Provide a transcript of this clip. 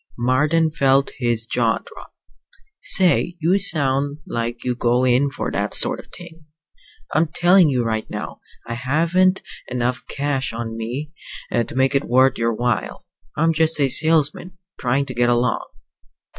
Marden felt his jaw drop. "Say, you sound, like you go in for that sort of thing! I'm telling you right now, I haven't enough cash on me to make it worth your while. I'm just a salesman, trying to get along."